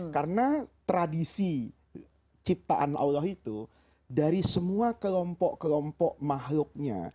karena tradisi ciptaan allah itu dari semua kelompok kelompok mahluknya